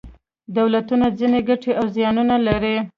دولتونه ځینې ګټې او زیانونه لري.